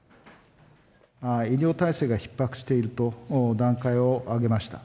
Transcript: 医療体制がひっ迫していると、段階を上げました。